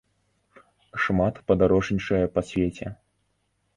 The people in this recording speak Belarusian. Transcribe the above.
Шмат падарожнічае па свеце.